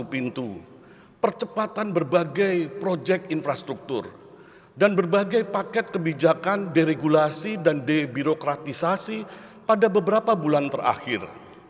pintu percepatan berbagai proyek infrastruktur dan berbagai paket kebijakan deregulasi dan debirokratisasi pada beberapa bulan terakhir